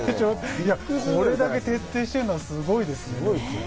これだけ徹底しているのはすごいですね。